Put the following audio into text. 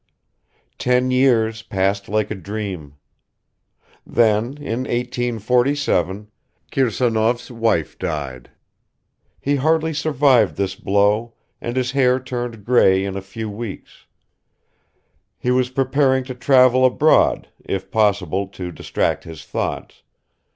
Ten years passed like a dream. Then in 1847 Kirsanov's wife died. He hardly survived this blow and his hair turned grey in a few weeks; he was preparing to travel abroad, if possible to distract his thoughts